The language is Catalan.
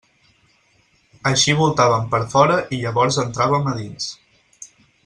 Així voltàvem per fora i llavors entràvem a dins.